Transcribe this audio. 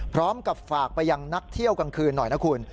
พร้อมกับฝากไปยังนักเที่ยวกลางคืนหน่อยนะคุณ